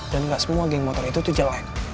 dan gak semua geng motor itu tuh jelek